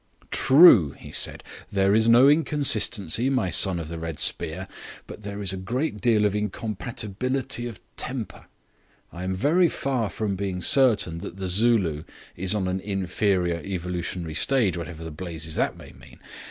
"True," he said, "there is no inconsistency, my son of the red spear. But there is a great deal of incompatibility of temper. I am very far from being certain that the Zulu is on an inferior evolutionary stage, whatever the blazes that may mean.